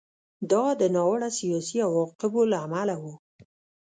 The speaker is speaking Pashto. دا د ناوړه سیاسي عواقبو له امله و